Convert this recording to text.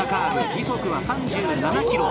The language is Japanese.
時速は３７キロ